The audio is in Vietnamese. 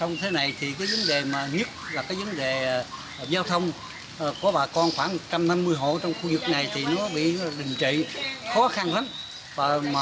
giao thông của bà con khoảng một trăm hai mươi hộ trong khu vực này thì nó bị đình trị khó khăn lắm